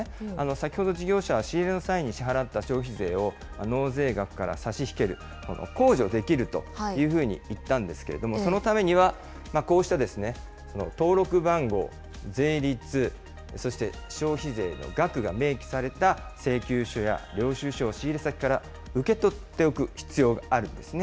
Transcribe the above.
先ほど、事業者は仕入れの際に支払った消費税を、納税額から差し引けるこの控除できるというふうに言ったんですけれども、そのためにはこうしたですね、登録番号、税率、そして消費税の額が明記された請求書や領収書を仕入れ先から受け取っておく必要があるんですね。